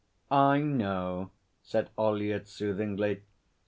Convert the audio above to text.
'I know,' said Ollyett soothingly.